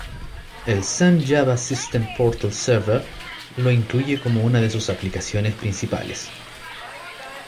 El Sun Java System Portal Server lo incluye como una de sus aplicaciones principales.